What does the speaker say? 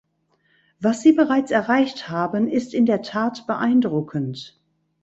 Was sie bereits erreicht haben, ist in der Tat beeindruckend.